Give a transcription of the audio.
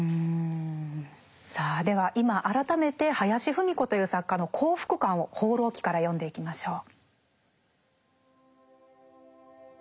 さあでは今改めて林芙美子という作家の幸福感を「放浪記」から読んでいきましょう。